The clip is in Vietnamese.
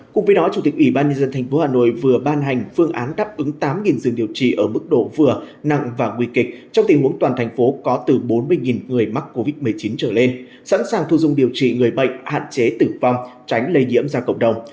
cùng với đó chủ tịch ủy ban nhân dân tp hà nội vừa ban hành phương án đáp ứng tám giường điều trị ở mức độ vừa nặng và nguy kịch trong tình huống toàn thành phố có từ bốn mươi người mắc covid một mươi chín trở lên sẵn sàng thu dung điều trị người bệnh hạn chế tử vong tránh lây nhiễm ra cộng đồng